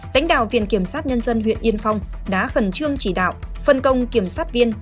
lãnh đạo viện kiểm sát nhân dân huyện yên phong đã khẩn trương chỉ đạo phân công kiểm sát viên